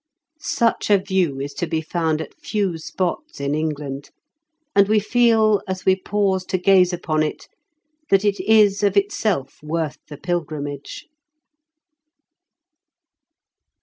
Such a view is to be found at few spots in England, and we feel, as we pause to gaze upon it, that it is of itself worth the pilgrimage.